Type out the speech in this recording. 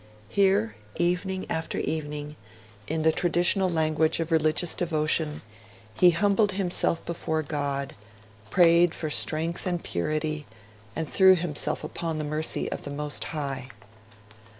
Here, evening after evening, in the traditional language of religious devotion, he humbled himself before God, prayed for strength and purity, and threw himself upon the mercy of the Most High.